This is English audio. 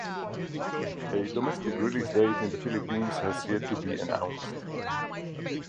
A domestic release date in the Philippines has yet to be announced.